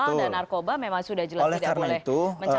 dan narkoba memang sudah jelas tidak boleh mencanggulkan diri